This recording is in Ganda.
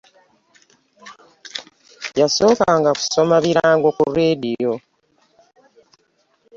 Yasooka kusomanga birango ku laadiyo.